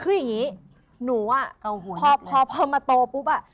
คืออย่างนี้หนูอ่ะพอมาโตปุ๊บอ่ะ